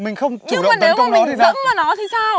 nhưng mà nếu mà mình dẫm vào nó thì sao